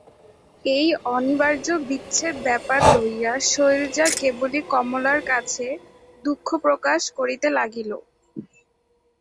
এই অনিবার্য বিচ্ছেদব্যাপার লইয়া শৈলজা কেবলই কমলার কাছে দুঃখপ্রকাশ করিতে লাগিল।